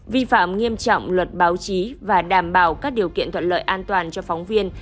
vi phạm nghiêm trọng luật báo chí và đảm bảo các điều kiện thuận lợi an toàn cho phóng viên